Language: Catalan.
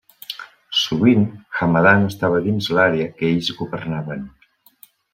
Sovint, Hamadan estava dins l'àrea que ells governaven.